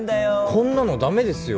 こんなの駄目ですよ。